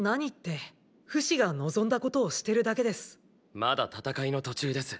まだ戦いの途中です。